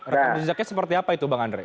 rekam jejaknya seperti apa itu bang andre